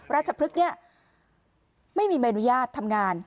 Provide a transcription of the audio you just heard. ราชพลึกเนี่ยไม่มีแมนยาทธรรมงาน